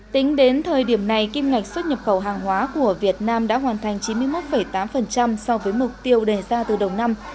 tính đến thời điểm này kim ngạch xuất nhập khẩu hàng hóa của việt nam đã hoàn thành chín mươi một tám so với mục tiêu đề ra từ đầu năm